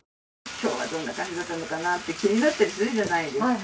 今日はどんな感じだったのかなと気になったりするじゃないですか。